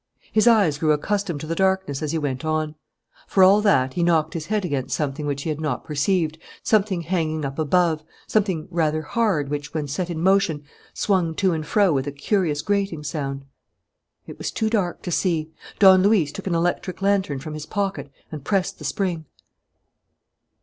His eyes grew accustomed to the darkness as he went on. For all that, he knocked his head against something which he had not perceived, something hanging up above, something rather hard which, when set in motion, swung to and fro with a curious grating sound. It was too dark to see. Don Luis took an electric lantern from his pocket and pressed the spring.